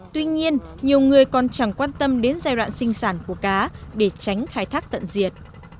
tuy nhiên nhiều người còn chẳng quan tâm đến giai đoạn sinh sản của cá để tránh khai thác tận diệt